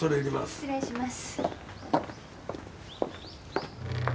失礼します。